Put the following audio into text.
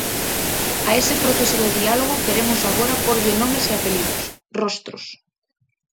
A ese proceso de diálogo queremos agora pórlle nomes e apelidos, rostros.